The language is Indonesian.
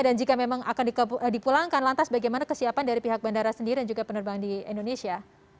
dan jika memang akan dipulangkan lantas bagaimana kesiapan dari pihak bandara sendiri dan juga penerbangan di indonesia